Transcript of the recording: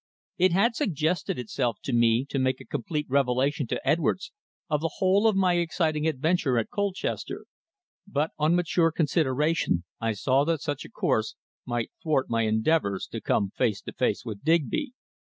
It had suggested itself to me to make a complete revelation to Edwards of the whole of my exciting adventure at Colchester, but on mature consideration I saw that such a course might thwart my endeavours to come face to face with Digby.